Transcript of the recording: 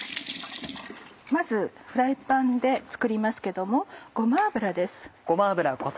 まずフライパンで作りますけどもごま油です。